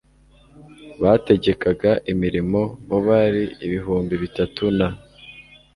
bategekaga imirimo bo bari ibihumbi bitatu na